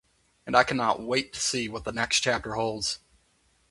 And I cannot wait to see what the next chapter holds.